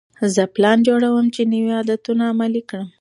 زه پلان جوړوم چې نوي عادتونه عملي کړم.